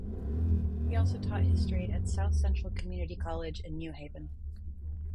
He also taught history at South Central Community College in New Haven.